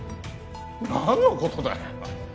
なんのことだよ。